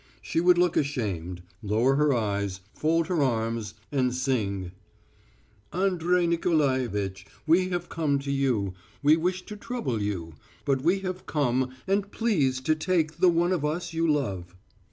She would look ashamed, lower her eyes, fold her arms and sing: "Andray Nikolaevitch We have come to you, We wish to trouble you. But we have come And please to take The one of us you love."